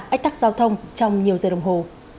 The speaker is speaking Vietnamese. ách tắc giao thông trong nhiều giờ đồng hồ